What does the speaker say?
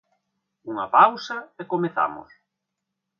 Unha pausa e comezamos.